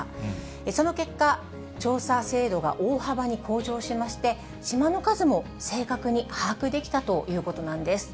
その結果、調査精度が大幅に向上しまして、島の数も正確に把握できたということなんです。